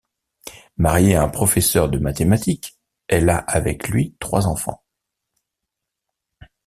Mariée à un professeur de mathématiques, elle a avec lui trois enfants.